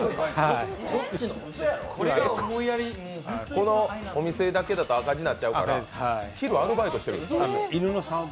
このお店だけだと、赤字になっちゃう、昼アルバイトしているんですか？